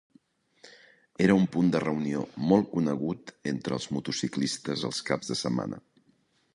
Era un punt de reunió molt conegut entre els motociclistes els caps de setmana.